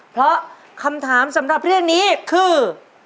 เพราะคำถามสำหรับเรื่องนี้คือ